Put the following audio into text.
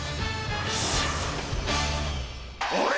あれ！